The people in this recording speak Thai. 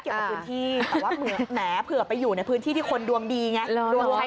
แต่ว่าเหมือนแหมเผื่อไปอยู่ในพื้นที่ที่คนดวงดีไง